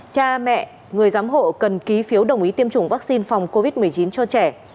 cha mẹ người giám hộ cần ký phiếu đồng ý tiêm chủng vaccine phòng covid một mươi chín cho trẻ